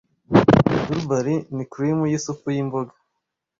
Durbarry ni cream yisupu yimboga